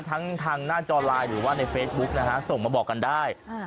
ทั้งทางหน้าจอไลน์หรือว่าในเฟซบุ๊กนะฮะส่งมาบอกกันได้